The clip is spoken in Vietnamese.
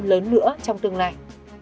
lớn lửa trong tương lai